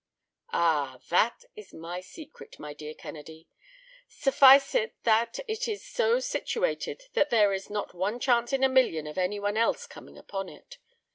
"Ah, that is my secret, my dear Kennedy. Suffice it that it is so situated that there is not one chance in a million of anyone else coming upon it.